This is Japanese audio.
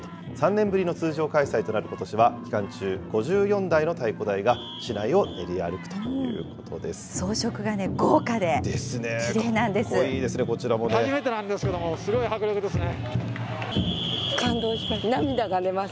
３年ぶりの通常開催となることしは期間中、５４台の太鼓台が市内を練り歩くということで装飾が豪華で、きれいなんでかっこいいです、こちらもね。